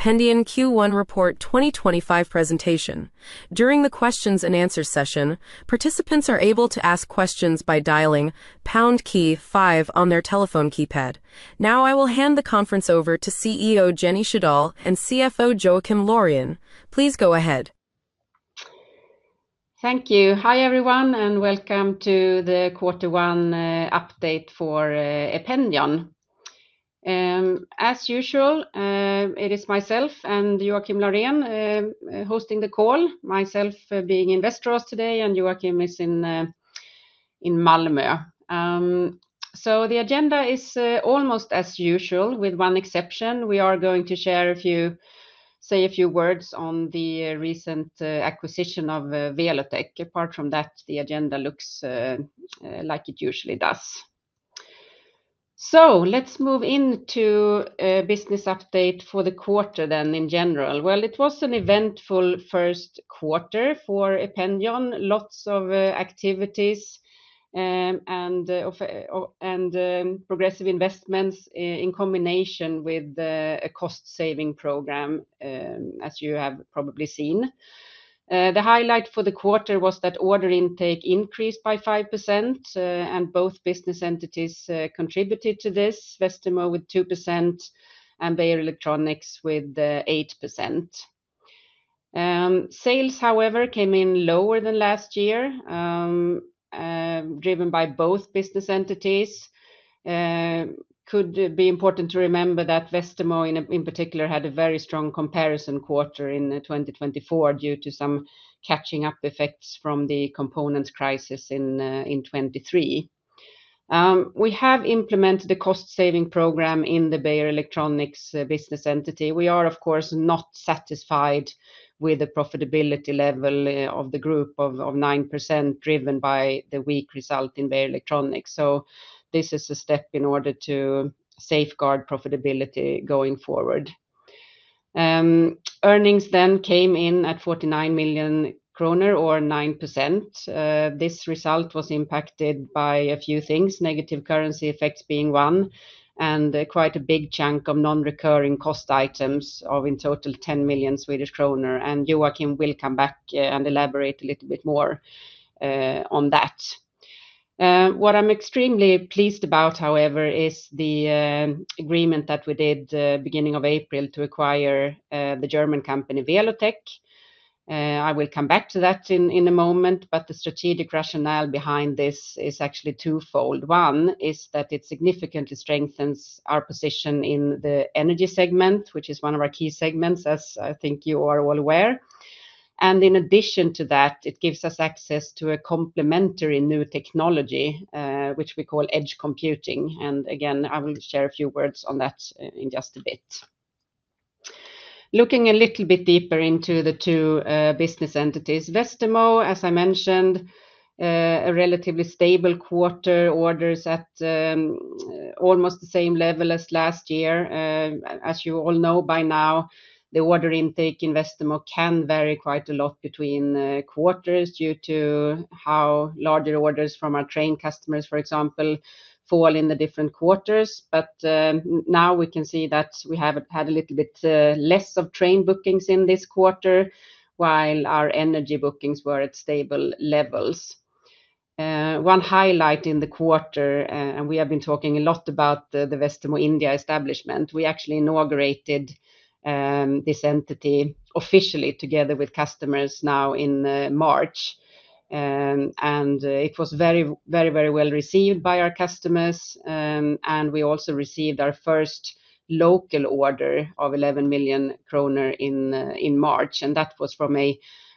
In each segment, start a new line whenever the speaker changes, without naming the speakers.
Ependion Q1 Report 2025 presentation. During the Q&A session, participants are able to ask questions by dialing #5 on their telephone keypad. Now, I will hand the conference over to CEO Jenny Sjödahl and CFO Joakim Laurén. Please go ahead.
Thank you. Hi everyone, and welcome to the Q1 Update for Ependion. As usual, it is myself and Joakim Laurén hosting the call, myself being in Västerås today, and Joakim is in Malmö. The agenda is almost as usual, with one exception: we are going to share a few, say a few words on the recent acquisition of Welotec. Apart from that, the agenda looks like it usually does. Let's move into the business update for the quarter then in general. It was an eventful first quarter for Ependion. Lots of activities and progressive investments in combination with a cost-saving program, as you have probably seen. The highlight for the quarter was that order intake increased by 5%, and both business entities contributed to this: Westermo with 2% and Beijer Electronics with 8%. Sales, however, came in lower than last year, driven by both business entities. It could be important to remember that Westermo, in particular, had a very strong comparison quarter in 2024 due to some catching-up effects from the components crisis in 2023. We have implemented a cost-saving program in the Beijer Electronics business entity. We are, of course, not satisfied with the profitability level of the group of 9%, driven by the weak result in Beijer Electronics. This is a step in order to safeguard profitability going forward. Earnings then came in at 49 million kronor, or 9%. This result was impacted by a few things: negative currency effects being one, and quite a big chunk of non-recurring cost items of in total 10 million Swedish kronor. Joakim will come back and elaborate a little bit more on that. What I'm extremely pleased about, however, is the agreement that we did at the beginning of April to acquire the German company Welotec. I will come back to that in a moment, but the strategic rationale behind this is actually twofold. One is that it significantly strengthens our position in the energy segment, which is one of our key segments, as I think you are well aware. In addition to that, it gives us access to a complementary new technology, which we call edge computing. Again, I will share a few words on that in just a bit. Looking a little bit deeper into the two business entities, Westermo, as I mentioned, a relatively stable quarter, orders at almost the same level as last year. As you all know by now, the order intake in Westermo can vary quite a lot between quarters due to how larger orders from our train customers, for example, fall in the different quarters. Now we can see that we have had a little bit less of train bookings in this quarter, while our energy bookings were at stable levels. One highlight in the quarter, and we have been talking a lot about the Westermo India establishment, we actually inaugurated this entity officially together with customers now in March. It was very, very, very well received by our customers. We also received our first local order of 11 million kronor in March. That was from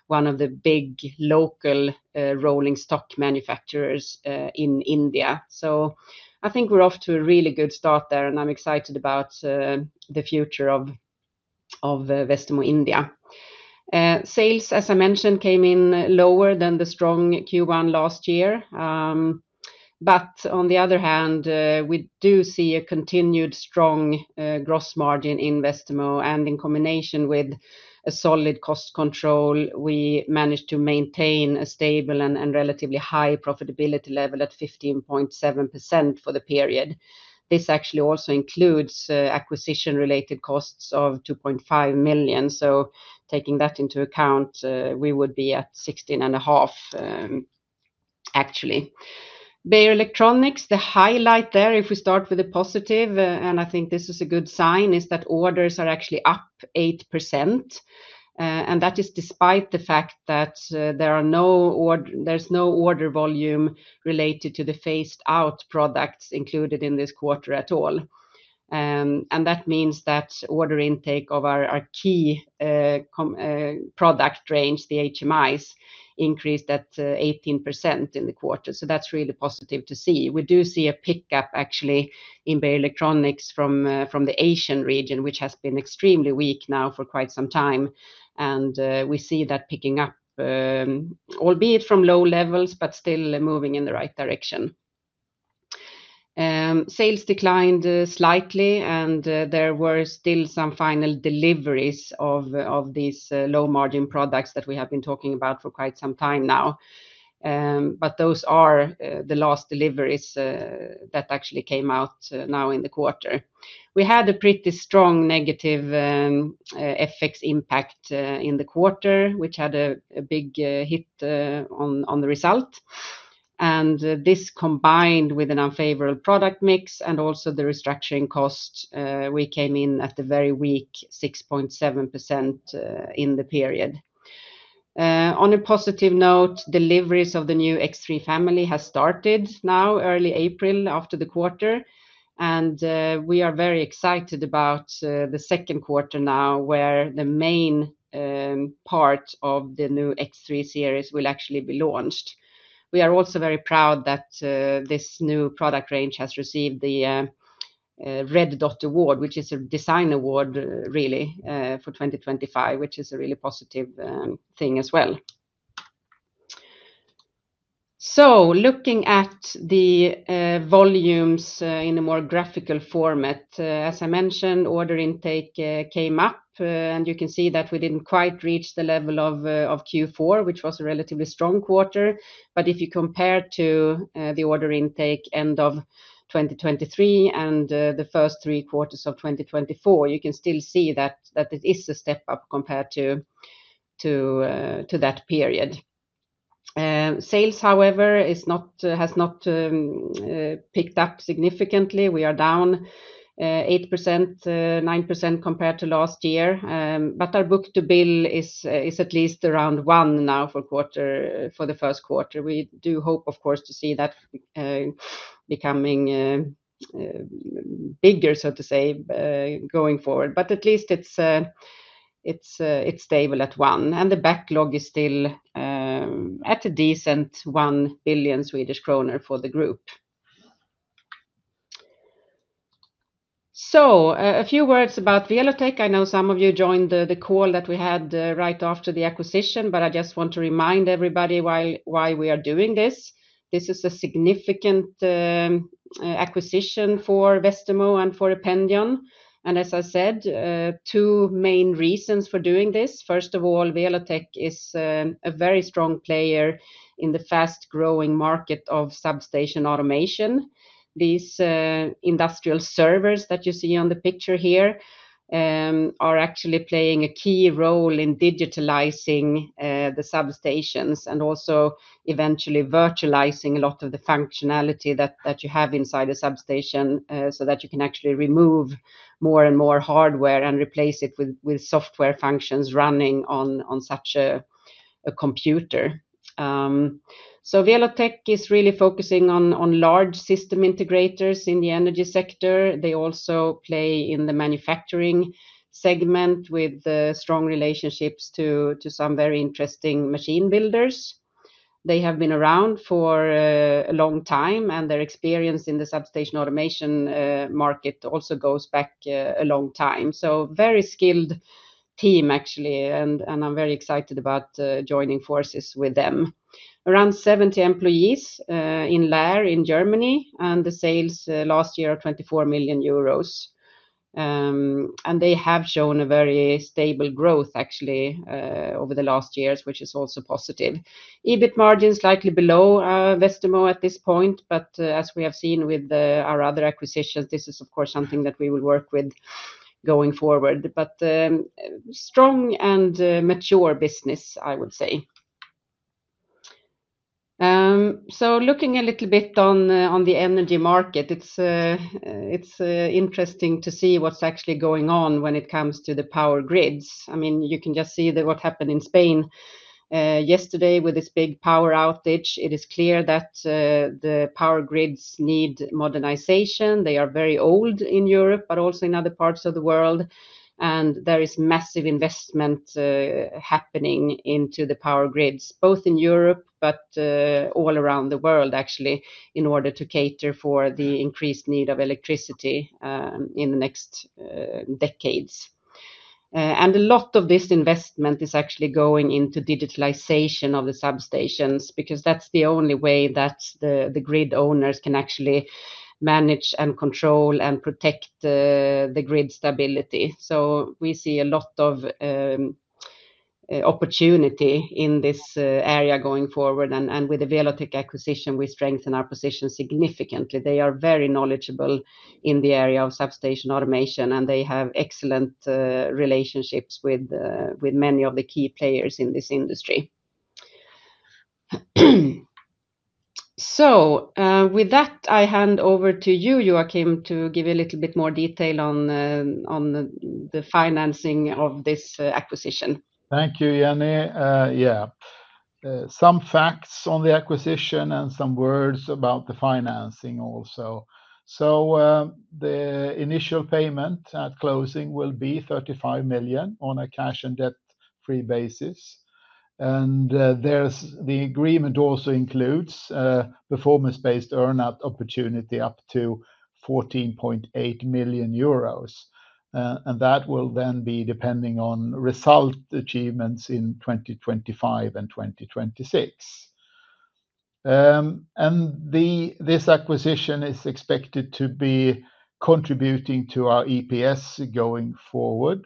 one of the big local rolling stock manufacturers in India. I think we're off to a really good start there, and I'm excited about the future of Westermo India. Sales, as I mentioned, came in lower than the strong Q1 last year. On the other hand, we do see a continued strong gross margin in Westermo, and in combination with solid cost control, we managed to maintain a stable and relatively high profitability level at 15.7% for the period. This actually also includes acquisition-related costs of 2.5 million. Taking that into account, we would be at 16.5% actually. Beijer Electronics, the highlight there, if we start with a positive, and I think this is a good sign, is that orders are actually up 8%. That is despite the fact that there is no order volume related to the phased-out products included in this quarter at all. That means that order intake of our key product range, the HMIs, increased at 18% in the quarter. That is really positive to see. We do see a pickup, actually, in Beijer Electronics from the Asian region, which has been extremely weak now for quite some time. We see that picking up, albeit from low levels, but still moving in the right direction. Sales declined slightly, and there were still some final deliveries of these low-margin products that we have been talking about for quite some time now. Those are the last deliveries that actually came out now in the quarter. We had a pretty strong negative FX impact in the quarter, which had a big hit on the result. This combined with an unfavorable product mix and also the restructuring cost, we came in at a very weak 6.7% in the period. On a positive note, deliveries of the new X3 family have started now, early April, after the quarter. We are very excited about the second quarter now, where the main part of the new X3 series will actually be launched. We are also very proud that this new product range has received the Red Dot Award, which is a design award, really, for 2025, which is a really positive thing as well. Looking at the volumes in a more graphical format, as I mentioned, order intake came up, and you can see that we did not quite reach the level of Q4, which was a relatively strong quarter. If you compare to the order intake end of 2023 and the first three quarters of 2024, you can still see that it is a step up compared to that period. Sales, however, has not picked up significantly. We are down 8%-9% compared to last year. Our book-to-bill is at least around 1 now for the first quarter. We do hope, of course, to see that becoming bigger, so to say, going forward. At least it is stable at 1. The backlog is still at a decent 1 billion Swedish kronor for the group. A few words about Welotec. I know some of you joined the call that we had right after the acquisition, but I just want to remind everybody why we are doing this. This is a significant acquisition for Westermo and for Ependion. As I said, two main reasons for doing this. First of all, Welotec is a very strong player in the fast-growing market of substation automation. These industrial servers that you see on the picture here are actually playing a key role in digitalizing the substations and also eventually virtualizing a lot of the functionality that you have inside a substation so that you can actually remove more and more hardware and replace it with software functions running on such a computer. Welotec is really focusing on large system integrators in the energy sector. They also play in the manufacturing segment with strong relationships to some very interesting machine builders. They have been around for a long time, and their experience in the substation automation market also goes back a long time. Very skilled team, actually, and I'm very excited about joining forces with them. Around 70 employees in Laer in Germany, and the sales last year of 24 million euros. They have shown a very stable growth, actually, over the last years, which is also positive. EBIT margin is slightly below Westermo at this point, but as we have seen with our other acquisitions, this is, of course, something that we will work with going forward. Strong and mature business, I would say. Looking a little bit on the energy market, it's interesting to see what's actually going on when it comes to the power grids. I mean, you can just see what happened in Spain yesterday with this big power outage. It is clear that the power grids need modernization. They are very old in Europe, but also in other parts of the world. There is massive investment happening into the power grids, both in Europe but all around the world, actually, in order to cater for the increased need of electricity in the next decades. A lot of this investment is actually going into digitalization of the substations because that's the only way that the grid owners can actually manage and control and protect the grid stability. We see a lot of opportunity in this area going forward. With the Welotec acquisition, we strengthen our position significantly. They are very knowledgeable in the area of substation automation, and they have excellent relationships with many of the key players in this industry. With that, I hand over to you, Joakim, to give you a little bit more detail on the financing of this acquisition.
Thank you, Jenny. Yeah. Some facts on the acquisition and some words about the financing also. The initial payment at closing will be 35 million on a cash and debt-free basis. The agreement also includes a performance-based earn-out opportunity up to 14.8 million euros. That will then be depending on result achievements in 2025 and 2026. This acquisition is expected to be contributing to our EPS going forward.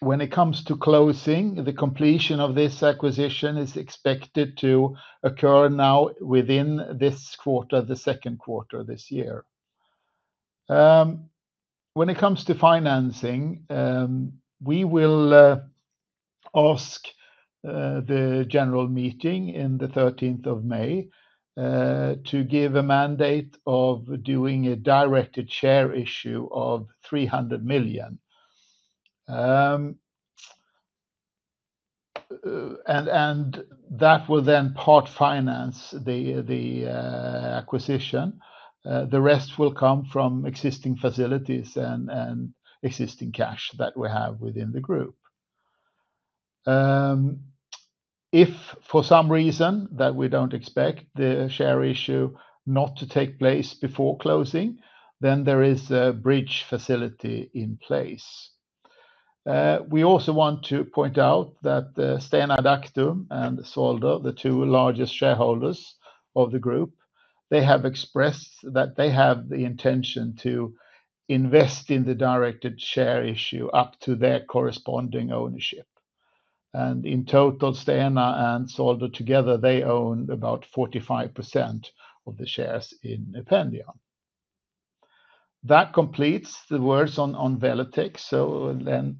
When it comes to closing, the completion of this acquisition is expected to occur now within this quarter, the second quarter this year. When it comes to financing, we will ask the general meeting on the 13th of May to give a mandate of doing a directed share issue of 300 million. That will then part-finance the acquisition. The rest will come from existing facilities and existing cash that we have within the group. If for some reason that we don't expect the share issue not to take place before closing, then there is a bridge facility in place. We also want to point out that Stena Adactum and Svolder, the two largest shareholders of the group, they have expressed that they have the intention to invest in the directed share issue up to their corresponding ownership. In total, Stena and Svolder together, they own about 45% of the shares in Ependion. That completes the words on Welotec.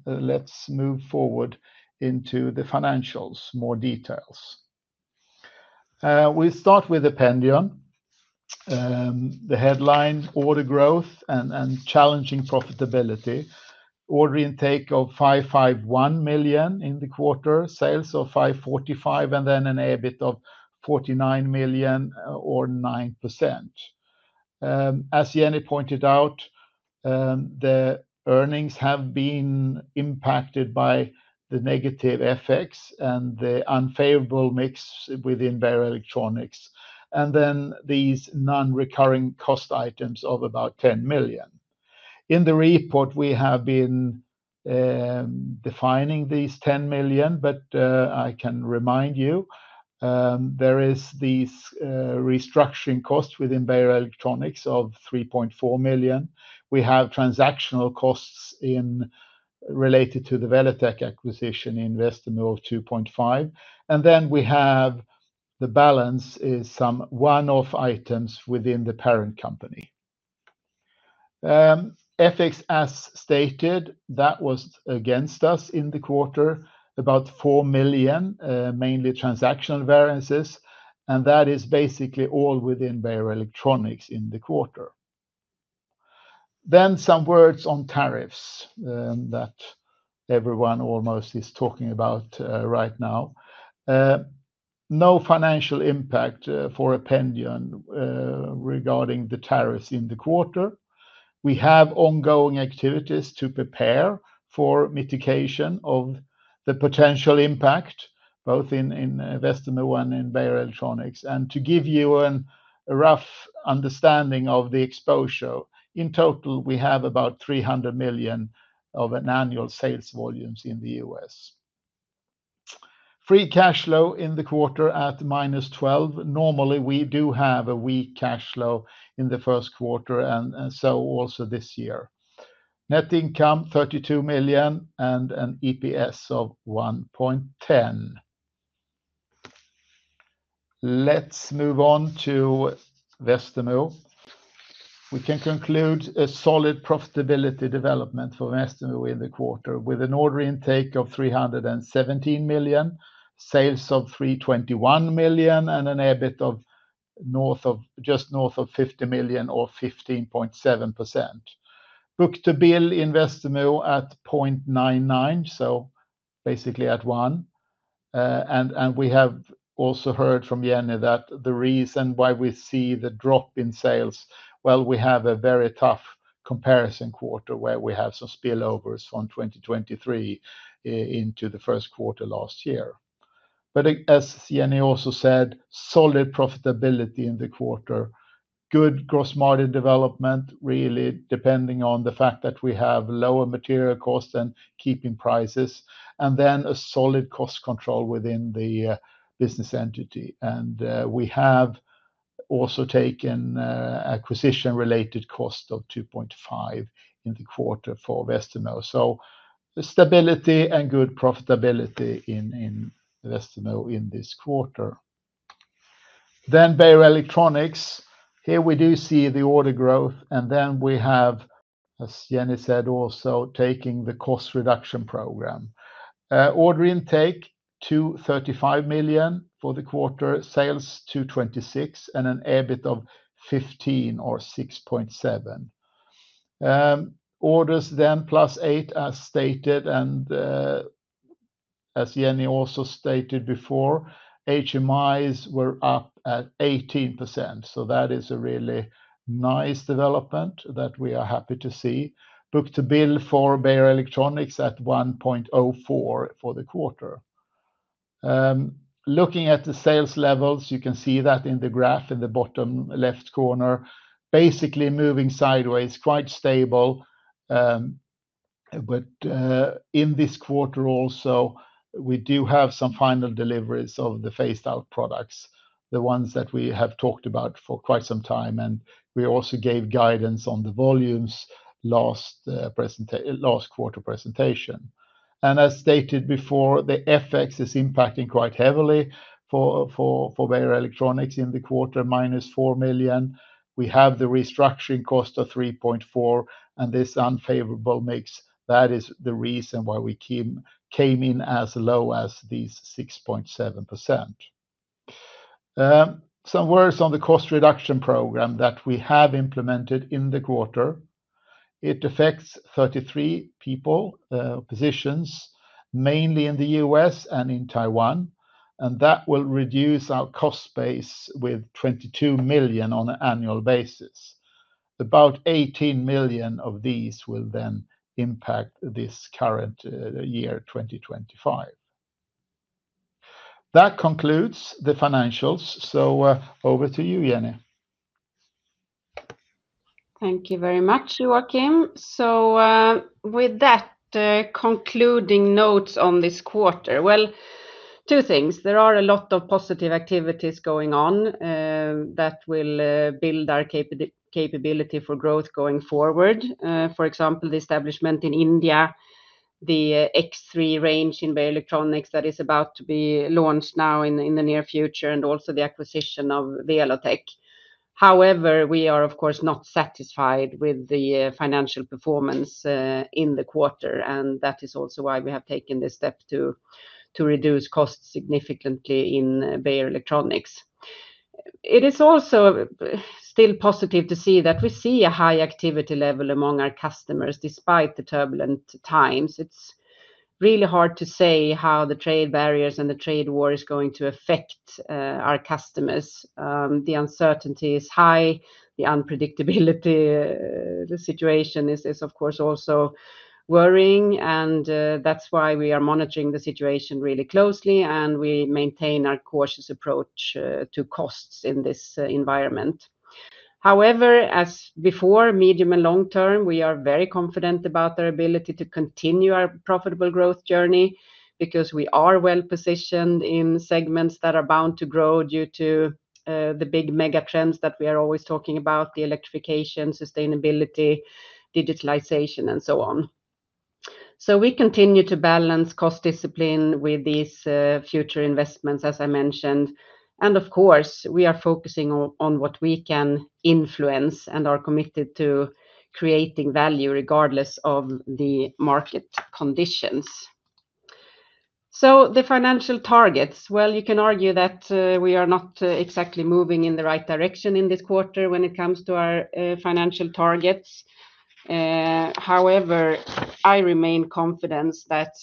Let's move forward into the financials, more details. We start with Ependion. The headline, order growth and challenging profitability. Order intake of 551 million in the quarter, sales of 545 million, and then an EBIT of 49 million or 9%. As Jenny pointed out, the earnings have been impacted by the negative FX and the unfavorable mix within Beijer Electronics. These non-recurring cost items of about 10 million. In the report, we have been defining these 10 million, but I can remind you there is these restructuring costs within Beijer Electronics of 3.4 million. We have transactional costs related to the Welotec acquisition in Westermo of 2.5 million. The balance is some one-off items within the parent company. FX, as stated, that was against us in the quarter, about 4 million, mainly transactional variances. That is basically all within Beijer Electronics in the quarter. Some words on tariffs that everyone almost is talking about right now. No financial impact for Ependion regarding the tariffs in the quarter. We have ongoing activities to prepare for mitigation of the potential impact, both in Westermo and in Beijer Electronics. To give you a rough understanding of the exposure, in total, we have about 300 million of annual sales volumes in the U.S. Free cash flow in the quarter at minus 12 million. Normally, we do have a weak cash flow in the first quarter, and so also this year. Net income 32 million and an EPS of 1.10. Let's move on to Westermo. We can conclude a solid profitability development for Westermo in the quarter with an order intake of 317 million, sales of 321 million, and an EBIT of just north of 50 million or 15.7%. Book-to-bill in Westermo at 0.99, so basically at 1. We have also heard from Jenny that the reason why we see the drop in sales, you know, we have a very tough comparison quarter where we have some spillovers from 2023 into the first quarter last year. As Jenny also said, solid profitability in the quarter, good gross margin development, really depending on the fact that we have lower material costs and keeping prices, and then a solid cost control within the business entity. We have also taken acquisition-related cost of 2.5 million in the quarter for Westermo. Stability and good profitability in Westermo in this quarter. Beijer Electronics, here we do see the order growth. As Jenny said, also taking the cost reduction program. Order intake 35 million for the quarter, sales 26 million, and an EBIT of 15 million or 6.7%. Orders then plus 8%, as stated, and as Jenny also stated before, HMIs were up at 18%. That is a really nice development that we are happy to see. Book-to-bill for Beijer Electronics at 1.04 for the quarter. Looking at the sales levels, you can see that in the graph in the bottom left corner, basically moving sideways, quite stable. In this quarter also, we do have some final deliveries of the phased-out products, the ones that we have talked about for quite some time. We also gave guidance on the volumes last quarter presentation. As stated before, the FX is impacting quite heavily for Beijer Electronics in the quarter, minus 4 million. We have the restructuring cost of 3.4 million, and this unfavorable mix that is the reason why we came in as low as these 6.7%. Some words on the cost reduction program that we have implemented in the quarter. It affects 33 people, positions, mainly in the U.S. and in Taiwan. That will reduce our cost base with 22 million on an annual basis. About 18 million of these will then impact this current year, 2025. That concludes the financials. Over to you, Jenny.
Thank you very much, Joakim. With that concluding notes on this quarter, two things. There are a lot of positive activities going on that will build our capability for growth going forward. For example, the establishment in India, the X3 range in Beijer Electronics that is about to be launched now in the near future, and also the acquisition of Welotec. However, we are, of course, not satisfied with the financial performance in the quarter. That is also why we have taken this step to reduce costs significantly in Beijer Electronics. It is also still positive to see that we see a high activity level among our customers despite the turbulent times. It's really hard to say how the trade barriers and the trade war is going to affect our customers. The uncertainty is high. The unpredictability situation is, of course, also worrying. That is why we are monitoring the situation really closely, and we maintain our cautious approach to costs in this environment. However, as before, medium and long term, we are very confident about our ability to continue our profitable growth journey because we are well positioned in segments that are bound to grow due to the big megatrends that we are always talking about, the electrification, sustainability, digitalization, and so on. We continue to balance cost discipline with these future investments, as I mentioned. Of course, we are focusing on what we can influence and are committed to creating value regardless of the market conditions. The financial targets, you can argue that we are not exactly moving in the right direction in this quarter when it comes to our financial targets. However, I remain confident that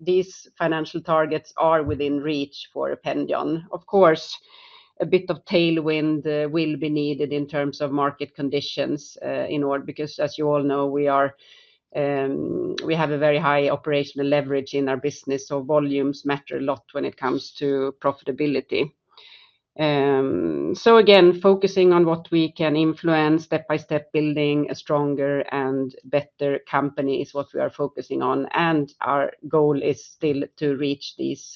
these financial targets are within reach for Ependion. Of course, a bit of tailwind will be needed in terms of market conditions in order because, as you all know, we have a very high operational leverage in our business. Volumes matter a lot when it comes to profitability. Again, focusing on what we can influence, step-by-step building a stronger and better company is what we are focusing on. Our goal is still to reach these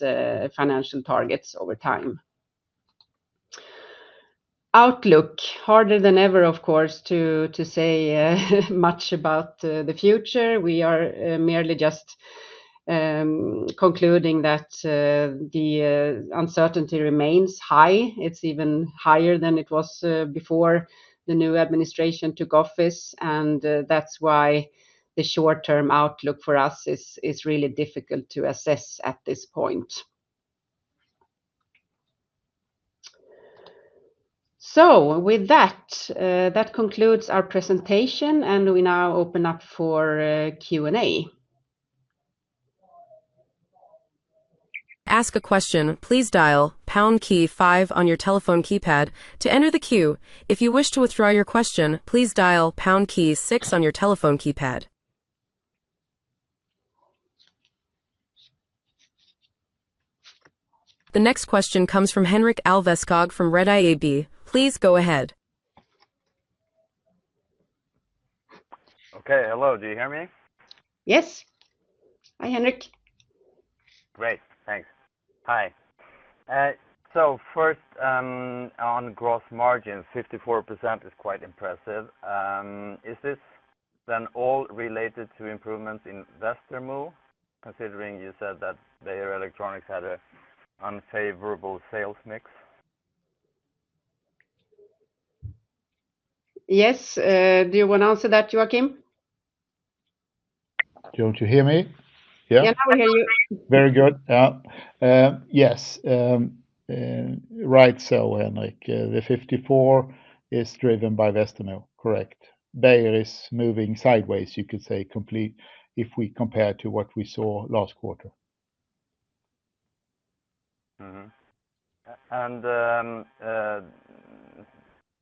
financial targets over time. Outlook, harder than ever, of course, to say much about the future. We are merely just concluding that the uncertainty remains high. It is even higher than it was before the new administration took office. That is why the short-term outlook for us is really difficult to assess at this point. With that, that concludes our presentation, and we now open up for Q&A.
Ask a question, please dial pound key five on your telephone keypad to enter the queue. If you wish to withdraw your question, please dial pound key six on your telephone keypad. The next question comes from Henrik Alveskog from Redeye AB. Please go ahead.
Okay. Hello. Do you hear me?
Yes. Hi, Henrik.
Great. Thanks. Hi. First, on gross margins, 54% is quite impressive. Is this then all related to improvements in Westermo, considering you said that Beijer Electronics had an unfavorable sales mix?
Yes. Do you want to answer that, Joakim?
Don't you hear me? Yeah.
Yeah, now we hear you.
Very good. Yeah. Yes. Right. Henrik, the 54 is driven by Westermo. Correct. Beijer is moving sideways, you could say, completely if we compare to what we saw last quarter.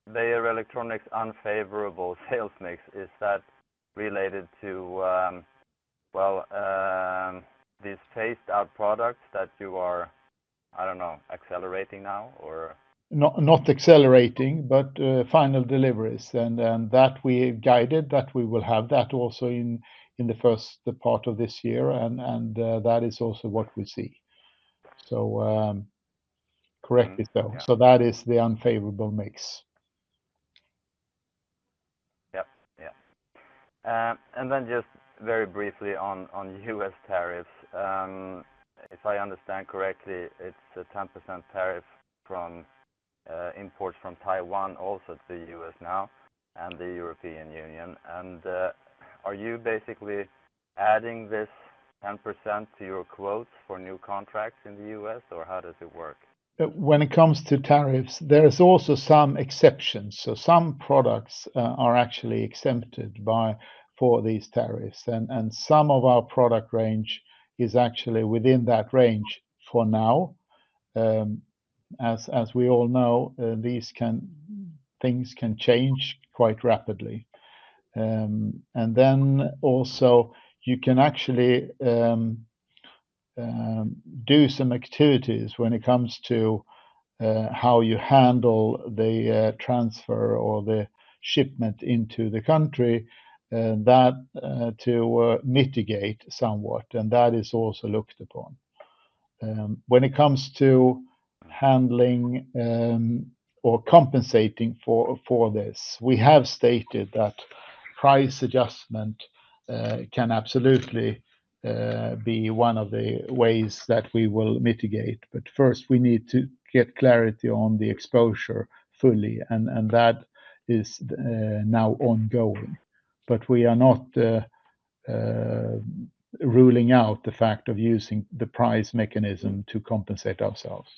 Beijer Electronics' unfavorable sales mix, is that related to, well, these phased-out products that you are, I don't know, accelerating now or?
Not accelerating, but final deliveries. That we guided that we will have that also in the first part of this year. That is also what we see. Correct it though. That is the unfavorable mix.
Yep. Yeah. Just very briefly on U.S. tariffs. If I understand correctly, it's a 10% tariff from imports from Taiwan also to the U.S. now and the European Union. Are you basically adding this 10% to your quotes for new contracts in the U.S., or how does it work?
When it comes to tariffs, there are also some exceptions. Some products are actually exempted from these tariffs. Some of our product range is actually within that range for now. As we all know, things can change quite rapidly. You can actually do some activities when it comes to how you handle the transfer or the shipment into the country to mitigate somewhat. That is also looked upon. When it comes to handling or compensating for this, we have stated that price adjustment can absolutely be one of the ways that we will mitigate. First, we need to get clarity on the exposure fully. That is now ongoing. We are not ruling out the fact of using the price mechanism to compensate ourselves.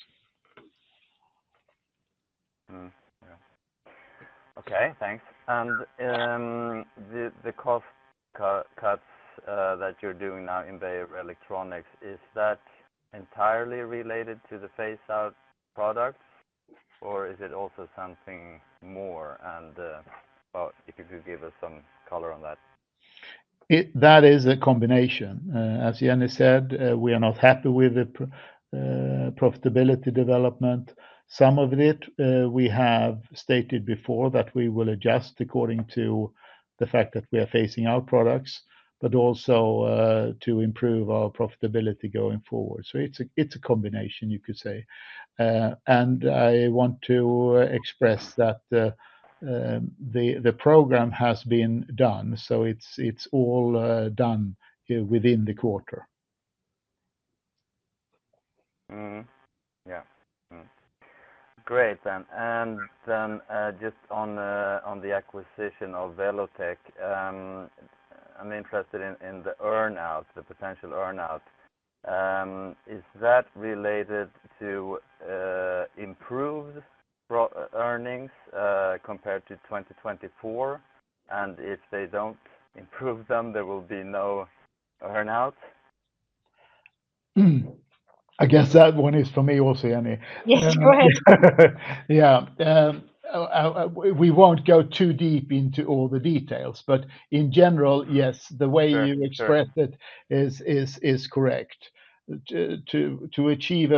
Yeah. Okay. Thanks. The cost cuts that you're doing now in Beijer Electronics, is that entirely related to the phased-out products, or is it also something more? If you could give us some color on that.
That is a combination. As Jenny said, we are not happy with the profitability development. Some of it, we have stated before that we will adjust according to the fact that we are phasing out products, but also to improve our profitability going forward. It is a combination, you could say. I want to express that the program has been done. It is all done within the quarter.
Yeah. Great, then. Just on the acquisition of Welotec, I'm interested in the earnout, the potential earnout. Is that related to improved earnings compared to 2024? If they don't improve them, there will be no earnout?
I guess that one is for me also, Jenny.
Yes. Go ahead.
Yeah. We won't go too deep into all the details. In general, yes, the way you express it is correct. To achieve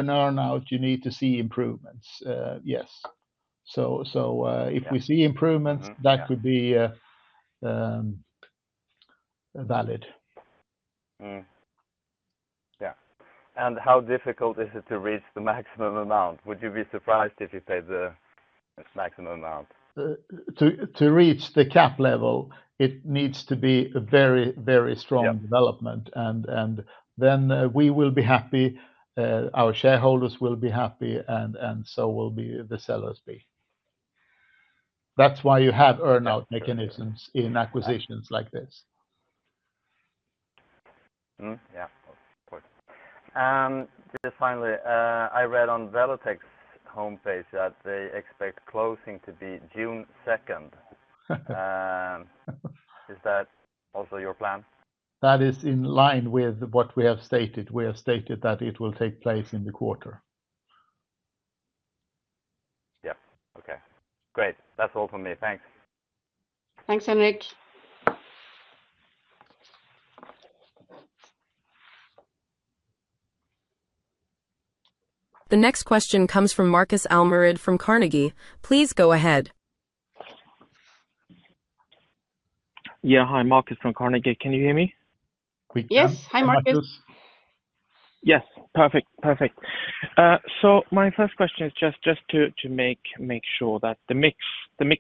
an earnout, you need to see improvements. Yes. If we see improvements, that could be valid.
Yeah. How difficult is it to reach the maximum amount? Would you be surprised if you said the maximum amount?
To reach the cap level, it needs to be a very, very strong development. We will be happy. Our shareholders will be happy, and so will the sellers be. That is why you have earnout mechanisms in acquisitions like this.
Yeah. Of course. Just finally, I read on Welotec's homepage that they expect closing to be June 2. Is that also your plan?
That is in line with what we have stated. We have stated that it will take place in the quarter.
Yep. Okay. Great. That's all from me. Thanks.
Thanks, Henrik.
The next question comes from Marcus Almerud from Carnegie. Please go ahead.
Yeah. Hi, Marcus from Carnegie. Can you hear me?
Yes. Hi, Marcus.
Yes. Perfect. Perfect. My first question is just to make sure that the mix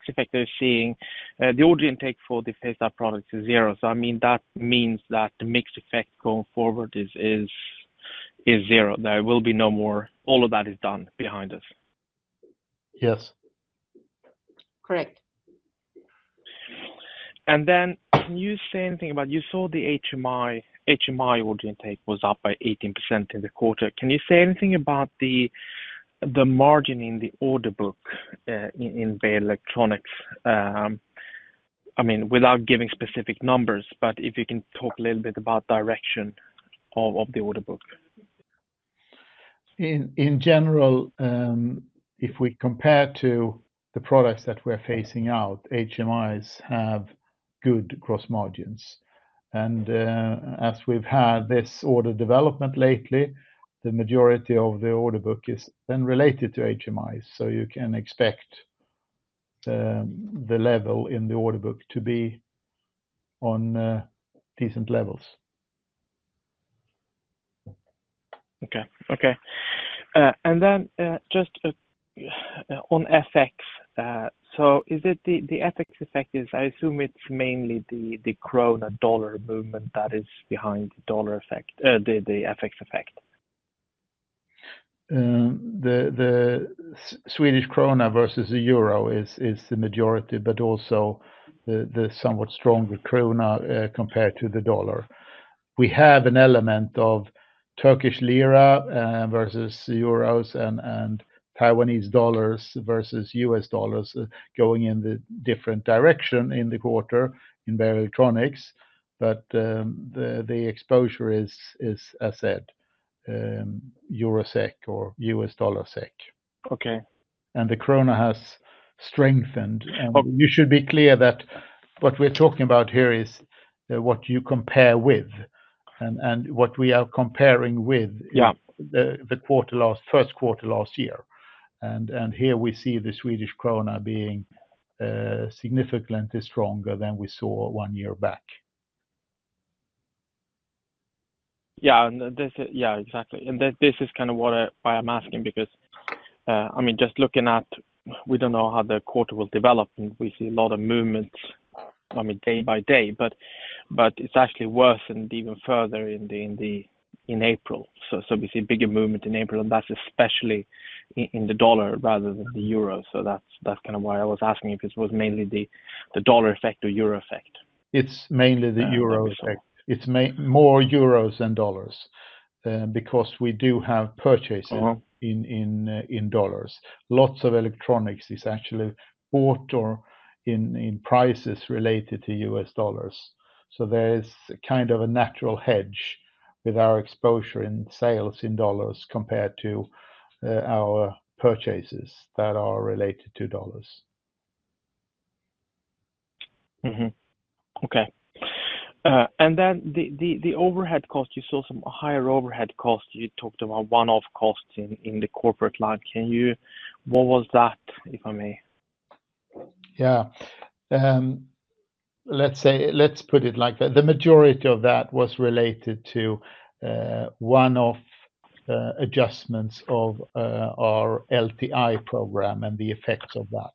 effect we're seeing, the order intake for the phased-out products is 0. I mean, that means that the mix effect going forward is zero. There will be no more. All of that is done behind us.
Yes.
Correct.
Can you say anything about you saw the HMI order intake was up by 18% in the quarter. Can you say anything about the margin in the order book in Beijer Electronics? I mean, without giving specific numbers, but if you can talk a little bit about direction of the order book.
In general, if we compare to the products that we're phasing out, HMIs have good gross margins. And as we've had this order development lately, the majority of the order book is then related to HMIs. So you can expect the level in the order book to be on decent levels.
Okay. Just on FX, is it the FX effect? I assume it's mainly the krona-dollar movement that is behind the dollar effect, the FX effect?
The Swedish krona versus the euro is the majority, but also the somewhat stronger krona compared to the dollar. We have an element of Turkish lira versus euros and Taiwanese dollars versus U.S. dollars going in the different direction in the quarter in Beijer Electronics. The exposure is, as said, euro-SEK or US dollar-SEK.
Okay.
The krona has strengthened. You should be clear that what we are talking about here is what you compare with and what we are comparing with the first quarter last year. Here we see the Swedish krona being significantly stronger than we saw one year back.
Yeah. Exactly. This is kind of why I'm asking because, I mean, just looking at we don't know how the quarter will develop. We see a lot of movements, I mean, day by day. It has actually worsened even further in April. We see a bigger movement in April. That is especially in the dollar rather than the euro. That is kind of why I was asking if it was mainly the dollar effect or euro effect.
It's mainly the euro effect. It's more euros than dollars because we do have purchases in dollars. Lots of electronics is actually bought or in prices related to U.S. dollars. There is kind of a natural hedge with our exposure in sales in dollars compared to our purchases that are related to dollars.
Okay. And the overhead cost, you saw some higher overhead cost. You talked about one-off costs in the corporate line. What was that, if I may?
Yeah. Let's put it like that. The majority of that was related to one-off adjustments of our LTI program and the effects of that.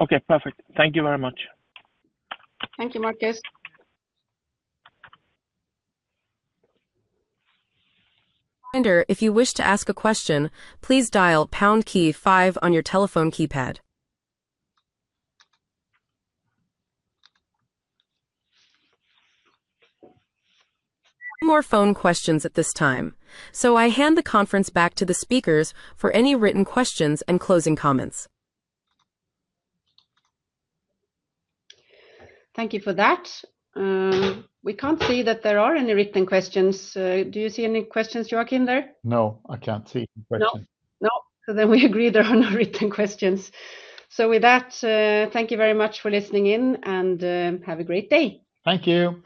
Okay. Perfect. Thank you very much.
Thank you, Marcus.
Reminder, if you wish to ask a question, please dial pound key five on your telephone keypad. No more phone questions at this time. I hand the conference back to the speakers for any written questions and closing comments.
Thank you for that. We can't see that there are any written questions. Do you see any questions, Joakim, there?
No. I can't see any questions.
No. We agree there are no written questions. With that, thank you very much for listening in, and have a great day.
Thank you.